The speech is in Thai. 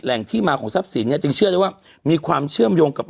แหล่งที่มาของทรัพย์สินเนี่ย